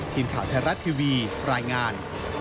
ทิมขาวธรรมดาทีวีรายงาน